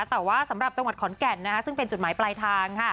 แต่ว่าสำหรับจังหวัดขอนแก่นนะคะ